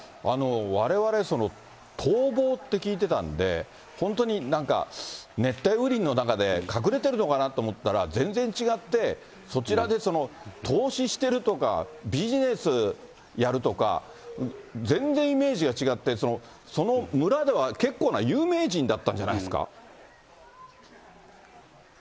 われわれ、逃亡って聞いてたんで、本当になんか、熱帯雨林の中で隠れてるのかなと思ったら、全然違って、そちらで投資してるとか、ビジネスやるとか、全然イメージが違って、その村では結構な有名人だったんじゃないですか。